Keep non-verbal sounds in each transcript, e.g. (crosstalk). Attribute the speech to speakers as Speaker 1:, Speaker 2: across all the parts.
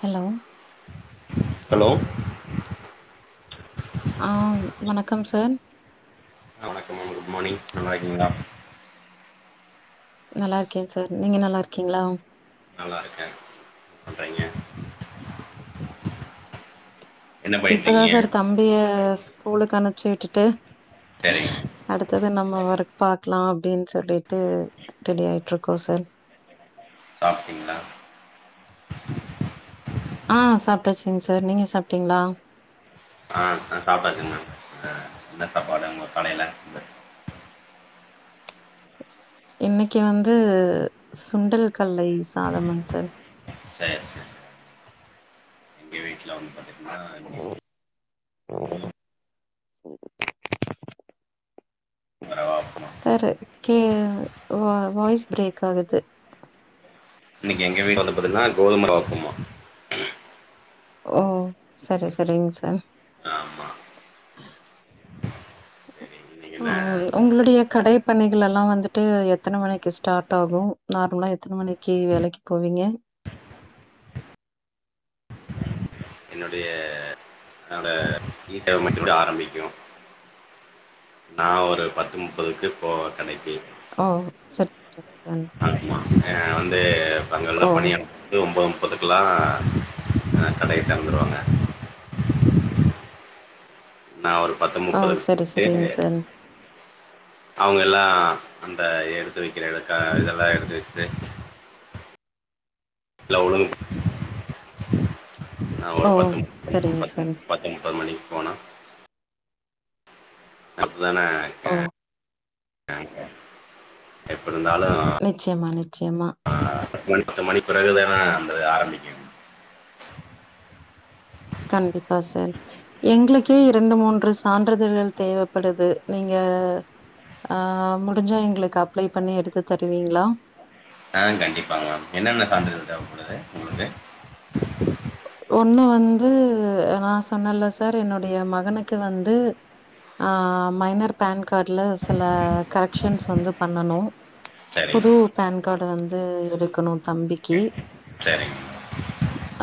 Speaker 1: Hello
Speaker 2: hello
Speaker 1: ஆ வணக்கம் sir
Speaker 2: வணக்கம் மேம் குட் மார்னிங் நல்லா இருக்கிங்களா
Speaker 1: நல்லா இருக்கேன் சார் நீங்க நல்லா இருக்கிங்களா
Speaker 2: நல்லா இருகேன் என பண்றீங்க என்ன பண்ணிட்டு
Speaker 1: இப்பதான்
Speaker 2: இருக்கீங்க
Speaker 1: சார் தம்பிய ஸ்க் கூலுக்கு அனுச்சு விட்டுட்டு இஸ்
Speaker 2: சரிங்க
Speaker 1: அடுத்தது நம்ம ஒர்க் பாகலாம் அப்டின்னு சொல்லிட்டு ரெடிஆயிட்டு இருக்கோம் சார்
Speaker 2: சாப்டீங்ளா
Speaker 1: ஆஹ் சாப்டச்சுங்கசார் நீங்க சாப்டீங்ளா
Speaker 2: ஆஹ் சாப்டாச்சுங்மா ஆஹ் என்ன சாப்பாடு உங்க கடயில இந்த
Speaker 1: இன்னைக்கு வந்து சுண்டல் கடலையும் சாதமண் சார்
Speaker 2: ஜா எங்க வீட்ல வந்து (inaudible)
Speaker 1: கும் ச்
Speaker 2: கோதுமை ரவா உப்புமா
Speaker 1: சார் கே வா வாய்ஸ் பிரேக் ஆகுது
Speaker 2: இன்னக்கு எங்க வீட்டு பத்திங்கான கோதுமரவ உப்புமா
Speaker 1: ஓ சரி சரிங்க சார்
Speaker 2: ஆமா சரி இன்னைக்கு என்ன
Speaker 1: உஹ உங்களுடய கடயபணிகளாம் வந்துட்டு எத்தன மணிக்கு ஸ்டாட் ஆகும் நார்மலா எத்தன மணிக்கு வேலக்கி போவீங்க
Speaker 2: என்னுடைய ஈ செவமத்தினேட ஆரம்பிக்கும் நான் ஒரு பத்து முப்பதுக்கு போவே கடக்கி
Speaker 1: ஓ செரிக்க சா
Speaker 2: ஹ வந்து நாங்கெல்லாம் பணியாற்றிட்டு ஒன்பது பத்துக்குலாம் ஹ கடய தெரந்துருவாங்க நான் ஒரு பத்து
Speaker 1: ஓ சரி
Speaker 2: முப்பதுமணிகே
Speaker 1: சரிங்க சார்
Speaker 2: நாங்கெல்லாம் அந்த எடுத்து வைக்கிற இ கா இதெல்லாம் எடுத்து வச்சுட்டு லவுளுங்க் நா
Speaker 1: ஓ
Speaker 2: ஒரு பத்துமு
Speaker 1: சரிங்க சார்
Speaker 2: பத்து முப்பதுமணிக்கு போனா அங்கதானே
Speaker 1: ஓ
Speaker 2: இருக்கேன் யாங்க எப்டியிருந்தாலும்
Speaker 1: நிச்சயமானிச்சி சியமா
Speaker 2: பத்து மணி பிறகுதான் நம்ம ஆரம்பிக்கும்
Speaker 1: கண்டிப்பா சார் எங்களுக்கே இரண்டு மூன்று சான்றிதழ்கள் தேவப்படுது நீங்க ஆஹ் முடிஞ்சா எங்களுக்கு அப்ளைபண்ணி எடுத்து தருவீங்களா
Speaker 2: ஆஹ் கண்டிப்பமா என்னனென்ன சான்றிதழ் தேவபடுது உங்களுக்கு
Speaker 1: ஒண்ணுவந்து நான் சொன்னேல சார் என்னுடைய மகனுக்கு வந்து மைனர் பேன்க் காட்ல சில கரெக்ஷன்ஸ் வந்து பண்ணணும் புது
Speaker 2: சரிங்க,
Speaker 1: பேன் கார்டு வந்து அது எடுக்கணும் தம்பிக்கு.
Speaker 2: செரிங்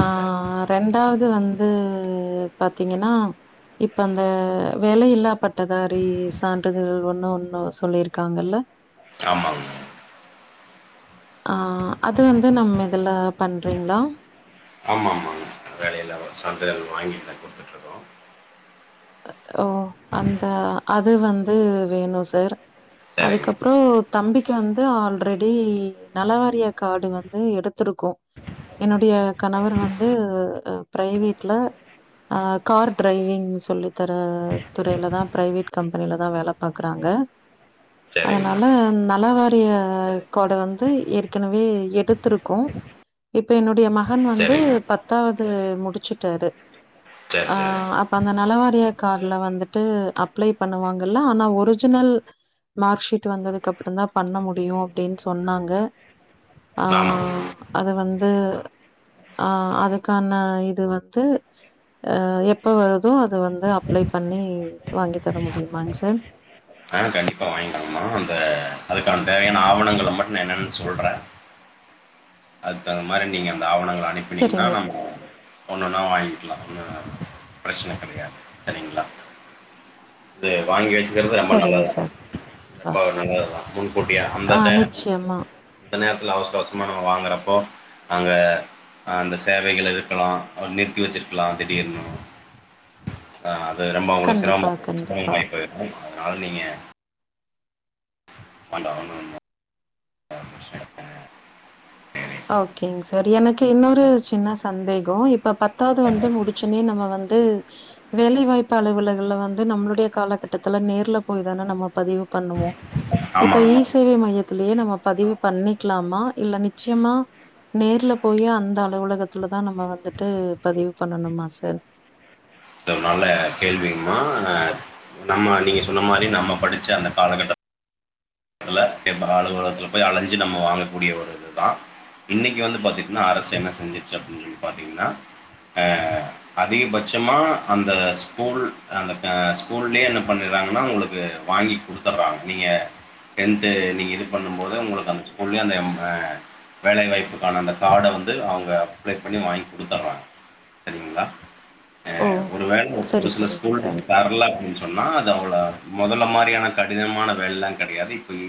Speaker 1: ஆஹ் ரெண்டாவது இது வந்து பாத்தீங்கன்னா இப்ப அந்த வேலையில்லா பட்டதாரி சான்றிதழ் ஒண்ணு ஒண்ணு சொல்லியிருக்காங்கல்ல
Speaker 2: ஆமாங்க
Speaker 1: ஆஹ் அது வந்து நம்ம இதுல பண்றீங்களா
Speaker 2: ஆமா ஆமாங்க வேலயில்லா சான்றிதழ் வாங்கி கொடுத்துட்டு இருக்கோம்
Speaker 1: ஓ அந்த அது வந்து வேணும் சார்
Speaker 2: சரிங்க
Speaker 1: அதுக்கப்புறம் தம்பிக் அது வந்து ஆல்ரெடி நலவாரிய கார்டு வந்து எடுத்துருக்கும் என்னுடைய கணவர் வந்து பிரைவேட்ல ஆ கார் டிரைவிங் சொல்லி இத்தர துறையில தான் பிரைவேட் கம்பெனிலதான் வேல பாக்குறாங்க
Speaker 2: சரிங்கம்மா
Speaker 1: அதனால நல வார் ய கொட வந்து ஏற்கனவே எடுத்துருக்கும் இப்ப என்னுடைய மக இவன் வந்து
Speaker 2: சரிங்க
Speaker 1: பத்தாவது இப்ப முடிச்சுட்டாரு
Speaker 2: சரி சரி
Speaker 1: ஆஹ் அப்ப அந்த நலவரி காட்ல வந்துட்டு அப்ளை பண்ணுவாங்கல்ல ஆனா ஒரிஜினல் மார்க் ஷீட் வந்ததுக்கு அப்பறம் தான் பண்ண முடியும் அப்டின்னு சொன்னாங்க
Speaker 2: ஆமாங்கம்மா
Speaker 1: ஆஹ் அது வந்து ஆஹ் அதுக்கான இது வந்து அஹ எப்ப வருதோ அது வந்து அப் அப்ளை பண்ணி வாங்கி தர முடியுமாங் சார்
Speaker 2: ஆ கண்டிப்பாக வாங்கிக்கலாங்கம்மா அந்த அதுக்கான தேவையான ஆவணங்களை மட்டும் நான் என்னன்னு சொல்றேன் அதுக்குதகுந்த மாரி நீங்க அந்த ஆவணங்கள் அனுப்பினீங்கன்னா
Speaker 1: சரிங்க சார்
Speaker 2: நம்ம ஒன்னொன்னா வாங்கிக்கலாம் ம் பிரச்சன கெடயாது சரிங்களா இது வாங்கி வச்சுக்குறது ரொம்ப
Speaker 1: சரிங்க
Speaker 2: நல்லது தான்
Speaker 1: சார்
Speaker 2: ரொம்ப நல்லது தான் முன்கூட்டியே
Speaker 1: ஆ
Speaker 2: அந்தடையம்
Speaker 1: நிச்சயமா
Speaker 2: அந்த நேரத்தில் அவசர அவசரமான வாங்குறப்போ அங்க அந்த சேவைகள் இருக்கலாம் நிறுத்தி வச்சிருக்கலாம் திடீர்னும் அஹ அது நம்ப அவங்களுக்கு
Speaker 1: கண்டிப்பா
Speaker 2: சிரம சிரம
Speaker 1: கண்டிப்பா
Speaker 2: வாய் போயிரும் யார் நீங்க மண்ட (unintelligible)
Speaker 1: ஓகேங் சார் எனக்கு இன்னொரு சின்ன சந்தேகம் இப்ப பத்தாவது வந்து முடிச்சுன்னே நம்ம வந்து வேலைவாய்ப்ப அலுவலகள்ல வந்து நம்மளுடைய காலகட்டத்துல நேர்ல போய் தான நம்ம பதிவு பண்ணுவோம்
Speaker 2: ஆமா
Speaker 1: இப்ப ஈ
Speaker 2: ஆமா
Speaker 1: சேவை மையத் இதுலயே நம்ம பதிவு பண்ணிக்கலாமா இல்ல நித் நிச்சயமா நேர்ல போய் அந்த அலுவலகத்துல தான் நம்ம வந்துட்டு பதிவு பண்ணணுமா சார்
Speaker 2: அதநால கேள்விமா நம்ம நீங்க சொன்ன மாரி நம்ம படிச்ச அந்த காலகட்ட த்துல எம்மகால் அலுவலத்துல போய் அழஞ்சி நம்ம வாங்கக்கூடிய ஒரு இதா இன்னைக்கு வந்து பாத்தீங்கன்னா அரசு என்ன செஞ்சிச்சு அப்படின்னு சொல்லி பாத்தீங்கன்னா அஹ் அதிகபட்சமா அந்த ஸ்கூல் அந்த ஸ்கூல்லயே என்ன பண்ணிறாங்கன்னா உங்களுக்கு வாங்கி குடுத்துடுறாங் நீங்க டென்த்து நீங்க இது பண்ணும்போது உங்களுக்கு அந்த ஸ்கூல்லேயே அந்த வேலைவாய்ப்புக்கான அந்த கார்ட வந்து அவங்க அப்ளை பண்ணி வாங்கி குடுத்துடறாங்க சரிங்களா ஹ
Speaker 1: ஓ
Speaker 2: ஒரு வேள ஒரு
Speaker 1: சரி
Speaker 2: சில
Speaker 1: சரிங்க
Speaker 2: ஸ்கூல
Speaker 1: சார்
Speaker 2: தரல அப்டின்னு சொன்னா இது அவ்ள முதல்ல மாரியான கடினமான வேலைல கிடையாது இப் இப்பகீ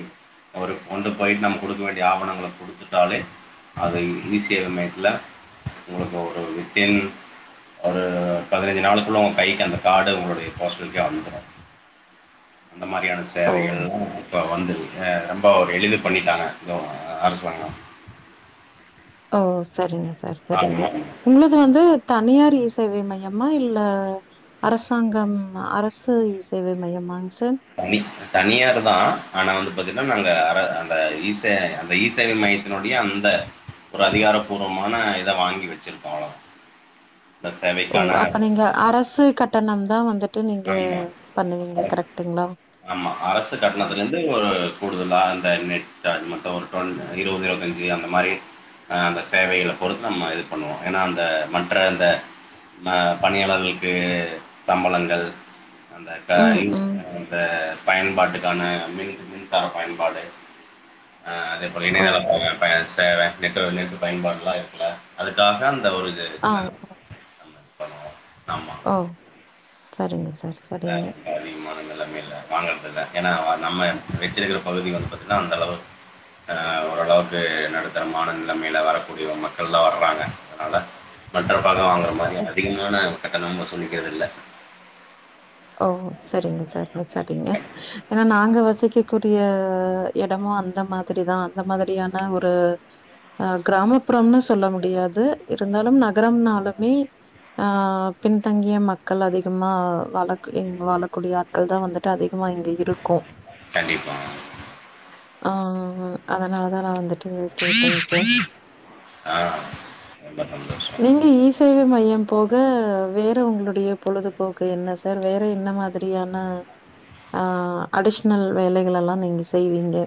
Speaker 2: ஒரு கொண்டு போயி் நம்ம குடுக்க வேண்டிய ஆவணங்கள குடுத்துட்டாலே அது ஈசேவைமையத்ல உங்களுக்கு ஒரு வித்தீன் ஒரு பதினைஞ்சு நாளுக்குள்ள ஒ கைக்கி அந்த கார்டு உங்களுடைய போஸ்டல்கே வந்துடும் அந்த மாரியான
Speaker 1: ஓ
Speaker 2: சேவைகள் பா வந்து ஏ ரொம்ப எளிது பண்ணிட்டாங்க இதுவ் அரசாங்கம்
Speaker 1: ஓ சரிங்க ச ச சரிங்க
Speaker 2: ஆமாமா.
Speaker 1: உங்களது வந்து தனியார்ஸ் சேவை மையமா இல்ல அரசாங்கம் அரசு சேவை மையமாங்ஸ்
Speaker 2: பைல்ஸ் தனியார் தா ஆனா வந்து பாத்தீங்னா நாங்க அ அந்த இசே அந்த இஈசேவ மையத்தினுடைய அந்த ஒரு அதிகாரபூர்வமான இத வாங்கி வச்சிருக்கோ அவ்வள
Speaker 1: ஓ அப்ப நீங்க அரசு கட்டணம் த வந்துட்
Speaker 2: ஆமா அம் ஆமா அரசு
Speaker 1: ஓ.
Speaker 2: கட்டணத்ல இருந்து ஒரு கூடுதலா இத நெட் அதுமத் ஒரு டொன் இருவது இருவத்தஞ்சு அந்த மாரி அந்த சேவகள பொறுத்து நம்ம இது பண்ணுவோம் ஏன்னா அந்த மற்ற அந்த பணியாளர்ளுக்கு சம்பளங்கள் அந்த
Speaker 1: ம்,
Speaker 2: காயும்
Speaker 1: ம்.
Speaker 2: அந்த பயன்பாட்டுக்கான மின் மின்சார பயன்பாடு ஆஹ் அதே
Speaker 1: ஓ.
Speaker 2: போலஇனியதல்லாகு பேஸ் தேற நெட்ஒன்க்கு பயன்பாடுல்லா இருக்கல அதுக்காக அந் த்த ஒருது
Speaker 1: ஆ.
Speaker 2: னா (inaudible) ஆமா
Speaker 1: ஓ. சரிங்க சார் சரிங்க.
Speaker 2: ஆஹ் வரிமானல்லாமே இல்ல வாங்கறது இல ஏன்னா நம்ம வச்சிருக்ற பகுதி வந்து பாத்தீங்னா அந்த அளவுக் ஓரளவுக்கு நடுத்தரமான நிலமையில வாழக்கூடிய மக்கள்லார்க்காங்க அதனால் மற்ற பாகம் அவங் ஒரு மாரி அதிகமான கட்டனம்ம சொல்லிகிறது இல்ல
Speaker 1: ஓ சரிங்க சரி சரிங்க ஏன்னா நாங்க வசிக்கக்கூடிய எடமும் அந்த மாதிரிதா அந்த மாதிரியான ஒரு அஹ் கிராமப்புறம்னு சொல்ல முடியாது இருந்தாலும் நகரம்னாலுமே ஆஹ் பின்தங்கிய மக்கள் அதிகமா வளத் எங் வாழக்கூடிய ஆட்கள் தா வந்துட்டு அதிகமா இங்க இருகோம்
Speaker 2: கண்டிப்பா
Speaker 1: ஆஹ அதனாலதான் நான் வந்துட்டு பேசியிருப்பேன்
Speaker 2: ஆ ரொம்ப சந்தோஷம்.
Speaker 1: நீங்க இசேவை மையம் போக வேற உங்களுடைய பொழுதுபோக்கு என்ன சார் சார் வேற என்ன மாதிரியான அஹ அடிஷனல் வேலைகள் எல்லாம் நீங்க செய்வீங்க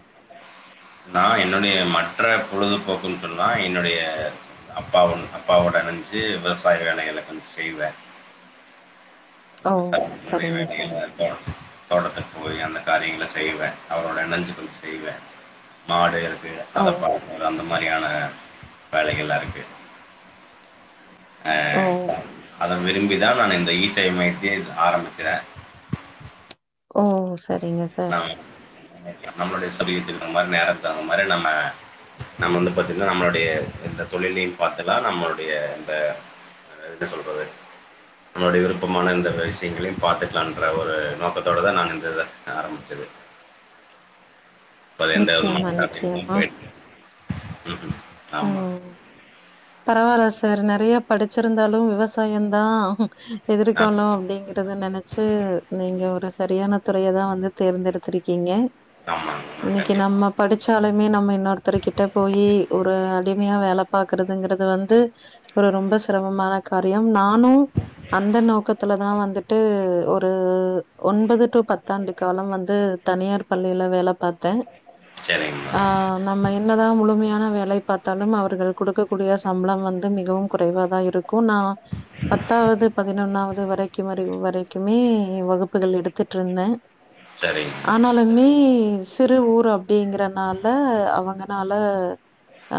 Speaker 2: நான் என்னுடைய மற்ற பொழுதுபோக்குன்னு சொன்னா என்னுடைய அப்பா அப்பாவோட இனஞ்சு விவசாய வேலைகள கொஞ்ச செய்வேன்
Speaker 1: ஓ!
Speaker 2: விவசாயுடய
Speaker 1: சரிங்க
Speaker 2: வேலைகள்
Speaker 1: சார்.
Speaker 2: தான் தோட்டத்துக்கு போய் அந்த காரியங்களை செய்வேன் அவரோட இணைஞ்சு கொஞ்சம்செய்வேன் மாடு
Speaker 1: ஓ!
Speaker 2: அத பாக்குற அந்த மாதிரி வேலைகளாம் இருக்கு
Speaker 1: ஓ!
Speaker 2: அஹ அதன் விரும்பி தான் நான் இந்த ஈஸ் இந்தமயத்தில் ஆரம்பிச்சிசேன்
Speaker 1: ஓ சரிங்க சார்
Speaker 2: நம்மளுடைய சமீபத்துக்கு அந்த மாரி நேரத்துக்கு தகுந்த மாரி நம்ம நம்ம வந்து பாத்தீங்கன்னா நம்மளுடைய இந்த தொழிலையும் பாத்துலாம் நம்மளுடைய இந்த என்ன சொல்றது நம்மளுடைய விருப்பமான இந்த விஷயங்களையும் பாத்துக்கலாம்ன்ற ஒரு நோக்கத்தோடதான் நான் இந்த ஆரம்பிச்சது (inaudible)
Speaker 1: நிச்சயமா,
Speaker 2: ம்
Speaker 1: நிச்சயமா.
Speaker 2: ம் ஆமா
Speaker 1: பரவாயில்ல சார் நெறைய படிச்சிருந்தாலும் விவசாயம்தான்
Speaker 2: ஆ-
Speaker 1: எதிர்காலம் அப்டிங்கறத நெனைச்சு நீங்க ஒரு சரியான துறைய தான் வந்து தேர்ந்தெடுத்துருக்கீங்க
Speaker 2: ஆமாங்கண்ணா
Speaker 1: இன்னைக்கு
Speaker 2: கண்டிப்பா
Speaker 1: நம்ம படிச்சாலுமே நம்ம இன்னொருத்தர் கிட்ட போயி ஒரு அடிமையா வேல பாக்குறதுங்கிறது வந்து ஒரு ரொம்ப சிரமமான காரியம் நானும் அந்த நோக்கத்துல தான் வந்துட்டு ஒரு (inaudible) ஒன்பது டு பத்தாண்டு காலம் வந்து தனியார் பள்ளியில வேல பாரத்தேன்
Speaker 2: சரிங்கம்மா
Speaker 1: ஆ நம்ம என்னதான் முழுமையான வேல பாத்தாலும் அவர்கள் கொடுக்கக்கூடிய சம்பளம் வந்து மிகவும் குறைவா தான் இருக் கு நான் பத்தாவது பதினொன்னாவது இது வரைக்கும் ரிவு வரைக்குமே வகுப்புகள் எடுத்துட்டுருந்தேன்
Speaker 2: சரிங்கம்மா
Speaker 1: ஆனாலுமே சிறு ஊர் அப்டிங்றனால அவங்கனால ஆ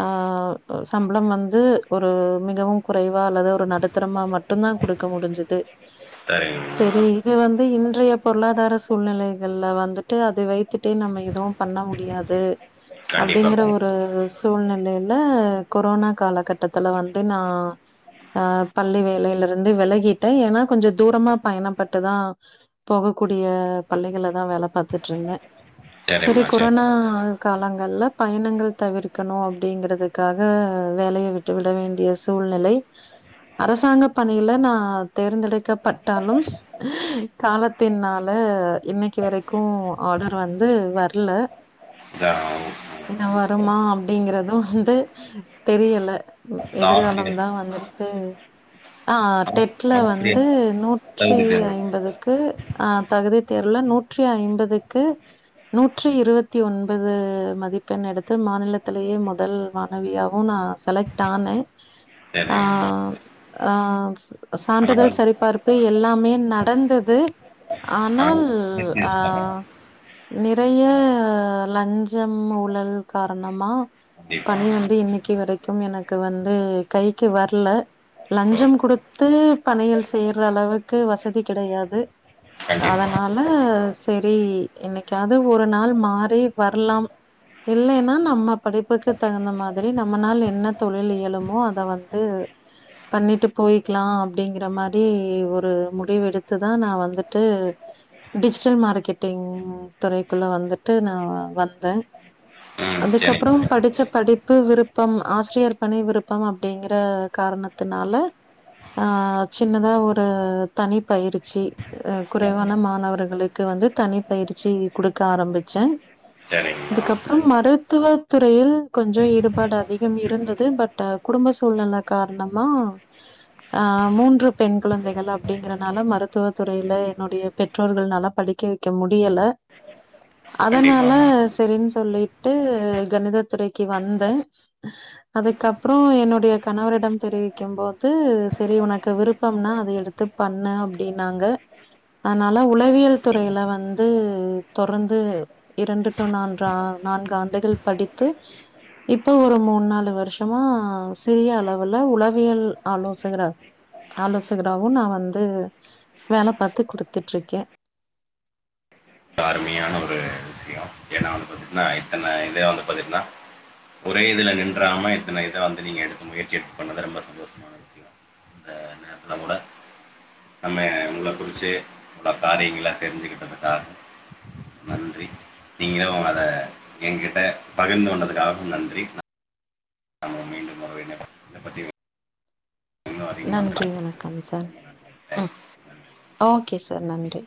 Speaker 1: சம்பளம் வந்து ஒரு மிகவும் குறைவா அல்லது ஒரு நடுத்தரமா மட்டும் தான் குடுக்க முடிஞ்சுது
Speaker 2: சரிங்கம்மா
Speaker 1: செரி இது வந்து இந் இன்றைய பொருளாதார சூழ்நிலைகள்ல வந்துட்டு அதை வைத்து கத்துட்டே நம்ம எதுவும் பண்ண முடியாது
Speaker 2: கண்டிப்பா
Speaker 1: அப்டிங்கற ஒரு சூழ்நிலையில கொரோனா காலகட்டத்துல வந்து நான் ஆஹ் பள்ளி வேலையில இருந்து விலகிட்டேன் ஏன்னா கொஞ்சம் தூரமா பயணப்பட்டுதான் அன் போகக்கூடிய பள்ளிகள்ல தான் வேல பாத்துட்டு இருந்தேன் சரி கொரோனா காலங் நல்ல பயணங்கள் தவிர் இருக்கணு அப்டிங்கறதுக்காக வேலையை விட்டு விட வேண்டிய சூழ்நிலை அரசாங்க பணியில நான் தேர்ந்தெடுக்கப் ப பட்டாலும் ஆ காலத்தின்னால இன்னைக்கி வரைக்கும் ஆர்டர் வந் அது வரல்லா
Speaker 2: இந்த
Speaker 1: என்ன வருமாம் (inaudible) வந்து தெரியல
Speaker 2: இந்த
Speaker 1: எதிர்காலம்
Speaker 2: ஆசிரியர்
Speaker 1: தான் வந்துட்டு (inaudible) ஆ டெட்ல வந்து நூற்றி
Speaker 2: தகுதி தேர்வு
Speaker 1: ஐம்பதுக்கு ஆ தகுதி தேர் உள்ள நூற்றி ஐம்பதுக்கு நூற்றி இருபத்தி ஒன்பது மதிப்பெண் எடுத்து மாநிலத்தில் (inaudible) மெத்தல் முதல் மாணவியாவும் நான் செலக்ட் ஆனேன்
Speaker 2: சரிம்மா
Speaker 1: ஆம் சா சான்றிதழ் சரிபார்ப்பு எல்லாமே நடந்தது ஆனால் அ
Speaker 2: யூபிஎஸ் பண்ணணும்
Speaker 1: நிறைய லஞ்சம் ஊழல் காரண ஆம்மா பணி
Speaker 2: கண்டிப்பாங்க
Speaker 1: வந்து இன்னைக்கி வரை (unintelligible) எனக்கு வந்து கைக்கு வரல்லா
Speaker 2: ஓகே
Speaker 1: லஞ்சம் கொடுத்து பள்ளயில் செய்ற அளவுக்கு வசதி கிடையாது
Speaker 2: கண்டிப்பா
Speaker 1: அதனால சரி அபி இன்னைக்க வது ஒரு நாள் மாறி வரலாம் இல்லைன்னா நம் நம்ம படிப்புக்கு தகுந்த மாரி நம்மளால என்ன தொழில் இயலுமோ அத வந்து பண்ணிட்டு போயிக்கலாம் அப்டிங்கற மாரி ஒரு முடிவு எடுத்துதான் நான வந்துட்டு டிஜிட்டல் மார்க்கெட்டிங் துறைக்குள்ள வந்துட்டு நான வந்தேன்
Speaker 2: ம்
Speaker 1: அதுக்கப்புறம்
Speaker 2: சரிங்க
Speaker 1: படிச்ச படிப்பு விறுப்பு விருப்பம் ஆசிரியர் பணி விருப்பம் அப்படிங்கிற காரணத்தினால ஆஹ் சின்னதா ஒரு தனி பயிற்சி ஹ குறைவான மாணவர்களுக்கு வந்து தனி பயிற்சி குடுக்க ஆரம்பிச்சேன்
Speaker 2: சரிங்கம்மா
Speaker 1: இதுக்கப்புறம் மறு மருத்துவ துறையில் கொஞ்சம் ஈடுபாடு அதிகம் இருந்தது பட் குடும்ப சூழ்நிலை காரணமா ஆஹ் மூன்று பெண் குழந்தைகள் அப்படிங்கறனால மருத்துவ துறையில என்னுடைய பெற்றோர்கள்நால படிக்க வைக்க முடியல அதனால
Speaker 2: கண்டிப்பாங்க
Speaker 1: சரின்னு சொல்லிட்ட அது கணித துறைக்கு வந்தேன் அதுக்கப்பறம் என்னுடைய கணவரிடம் தெரிவிக்கும் போது செரி உனக்கு விருப்பம்னா அதை எடுத்து பண்ணுனாங்க அப்டின்னாங்க அதனால உளவியல் துறையில வந்து தொடர்ந்து இரண்டு டு நான்குக நான்கு ஆண்டுகள் படித்து இப்ப ஒரு மூணு நாலு வருஷமா சிறிய அளவுல உளவியல் ஆலோசகரா ஆலோசகராவும் நான் வந்து வேல பாத்து குடுத்துட்டு இருக்கேன்
Speaker 2: கம்மியான ஒரு விஷயம் ஏன்னா வந்து பாத்தீங்கன்னா இத்தன இத வந்து பாத்தீங்கன்னா ஒரே இதுல நின்றாம இத்தன இத வந்து நீங்க எடுக்க முயற்சி எடுத்து பண்ணது ரொம்ப சந்தோஷமான விஷயம் அந்த நேரத்துல கூட நம்ப உங்கள குறிச்சு காரியங்கள தெரிஞ்சுக்கிட்டந் நன்றி நீங்களும் அத எகிட்ட பகிர்ந்து கொண்டதுக்காகவும் நன்றி (unintelligible) பத்தி இன்னும் அதிகமான ரொம்ப
Speaker 1: நன்றி வணக்கம் சார்
Speaker 2: நன்றி.
Speaker 1: ம்
Speaker 2: தேங்க்ஸ். நன்றி.
Speaker 1: ஓகே சார் நன்றி